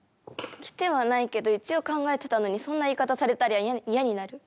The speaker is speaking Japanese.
着てはないけど一応、考えてたのにそんな言い方されたら嫌になる。